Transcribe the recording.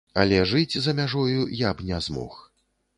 Але жыць за мяжою я б не змог.